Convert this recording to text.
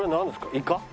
イカ？